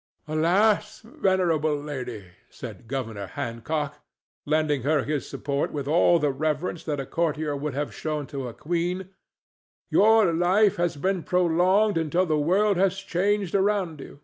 "Alas, venerable lady!" said Governor Hancock, lending her his support with all the reverence that a courtier would have shown to a queen, "your life has been prolonged until the world has changed around you.